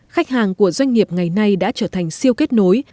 khách hàng của doanh nghiệp ngày nay đã trở thành siêu kết nối